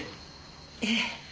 ええ。